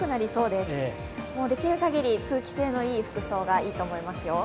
できるかぎり通気性のいい服装がいいと思いますよ。